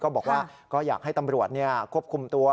บอกว่าก็อยากให้ตำรวจควบคุมตัว